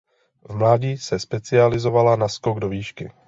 V mladí se specializovala na skok do výšky.